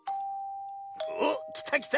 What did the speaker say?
おっきたきた！